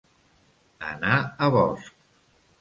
Anar a bosc.